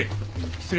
失礼。